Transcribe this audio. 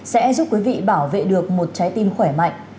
sẽ giúp quý vị bảo vệ được một trái tim khỏe mạnh